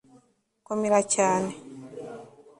komera cyane